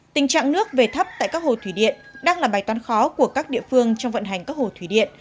tình trạng nước về thấp tại các hồ thủy điện đang là bài toán khó của các địa phương trong vận hành các hồ thủy điện